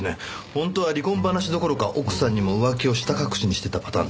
本当は離婚話どころか奥さんにも浮気をひた隠しにしてたパターンですね。